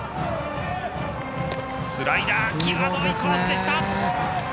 スライダー際どいコース！